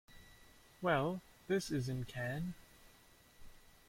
Well, this isn't Cannes.